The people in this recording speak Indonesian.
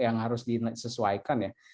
yang harus disesuaikan ya